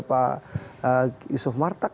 pak yusuf martak